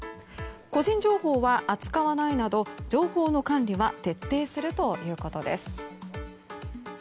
個人情報は扱わないなど情報の管理は徹底するということです。